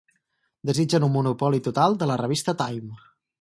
Desitgen un monopoli total de la revista Time.